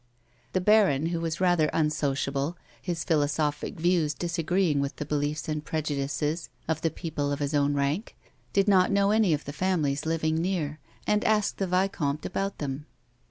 The baron who was rather unsociable, his philosophic views disagreeing with the beliefs and prejudices of the people of his own rank, did not know any of the families living near, and asked the vicomte about them.